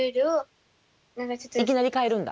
いきなり変えるんだ？